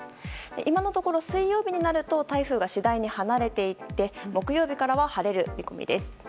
今のところ、水曜日になると台風が次第に離れていって木曜日からは晴れる見込みです。